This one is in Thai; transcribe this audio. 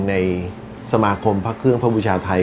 ในสมาคมพระเครื่องพระบูชาไทย